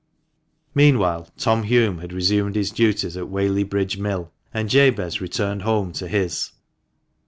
Meanwhile, Tom Hulme had resumed his duties at Whaley Bridge Mill, and Jabez returned home to his.